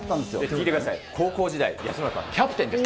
聞いてください、高校時代、安村さん、キャプテンです。